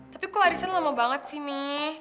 tapi kok arisan lama banget sih mi